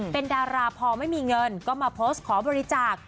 เป็นดาราพอไม่มีเงินก็มาโพสต์ขอบริจาค